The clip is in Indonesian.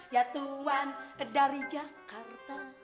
ya tuhan dari jakarta